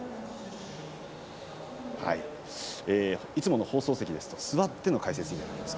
いつもの放送席だと座っての解説になります。